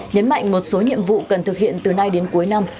nhấn mạnh một số nhiệm vụ cần thực hiện từ nay đến cuối năm